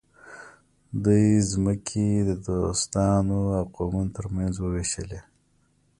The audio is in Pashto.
دوی ځمکې د دوستانو او قومونو ترمنځ وویشلې.